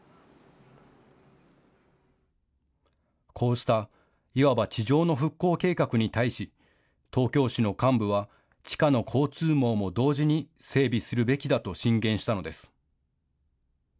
こうしたいわば地上の復興計画に対し、東京市の幹部は地下の交通網も同時に整備するべきだと進言したのです。